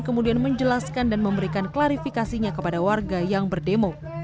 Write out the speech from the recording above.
kemudian menjelaskan dan memberikan klarifikasinya kepada warga yang berdemo